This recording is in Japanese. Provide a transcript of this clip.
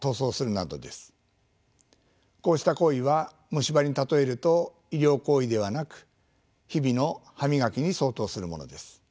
こうした行為は虫歯に例えると医療行為ではなく日々の歯磨きに相当するものです。